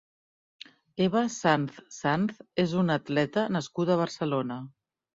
Eva Sanz Sanz és una atleta nascuda a Barcelona.